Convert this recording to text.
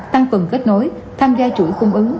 tăng cường kết nối tham gia chuỗi khung ứng